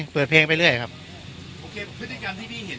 เปิดเพลงไปเรื่อยครับโอเคพฤติกรรมที่พี่เห็น